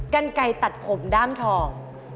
กันไก่ตัดผมด้ามทอง